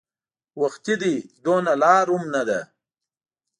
وختي دی دومره لار هم نه ده.